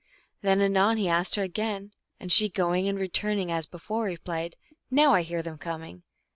Then anon he asked her again, and she, going and returning as be fore, replied, " Now I hear them coming."